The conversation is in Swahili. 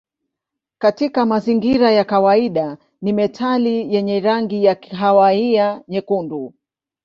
Katika mazingira ya kawaida ni metali yenye rangi ya kahawia nyekundu.